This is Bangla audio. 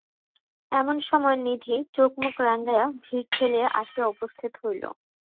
এমন সময়ে নিধি চোখ মুখ রাঙাইয়া ভিড় ঠেলিয়া আসিয়া উপস্থিত হইল।